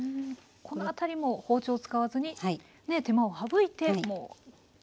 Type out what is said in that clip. この辺りも包丁を使わずに手間を省いて焼いていくと。